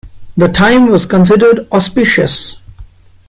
The time was considered auspicious.